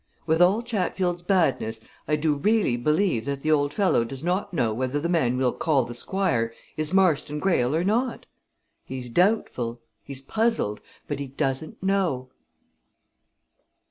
With all Chatfield's badness, I do really believe that the old fellow does not know whether the man we'll call the Squire is Marston Greyle or not! He's doubtful he's puzzled but he doesn't know."